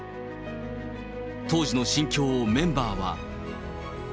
当時の心境をメンバーは。